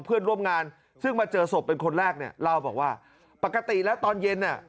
เพื่อนร่วมงานซึ่งมาเจอศพเป็นคนแรกเนี่ยเล่าบอกว่าปกติแล้วตอนเย็นเนี่ย